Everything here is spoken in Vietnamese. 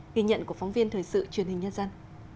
ghi nhận của phóng viên thời sự truyền hình nhân dân